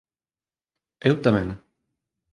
Eu tamén.